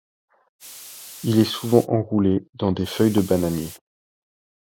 Il est souvent enroulé dans des feuilles de bananier.